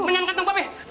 menyan kantong pope